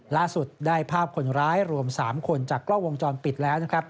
ล่าสุดได้ภาพคนร้ายรวม๓คนจากกล้องวงจรปิดแล้วนะครับ